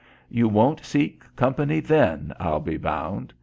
You won't seek company then, I'll be bound.